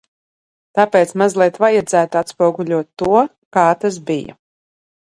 Tāpēc mazliet vajadzētu atspoguļot to, kā tas bija.